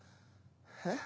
え？